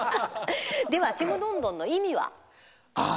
では「ちむどんどん」の意味は？